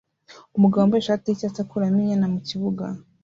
Umugabo wambaye ishati yicyatsi akuramo inyana mukibuga